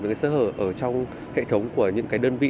về cái sơ hở ở trong hệ thống của những cái đơn vị